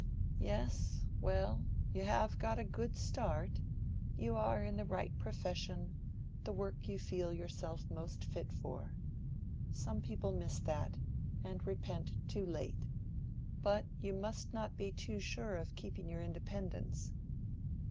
"Yes—well—you have got a good start; you are in the right profession, the work you feel yourself most fit for. Some people miss that, and repent too late. But you must not be too sure of keeping your independence."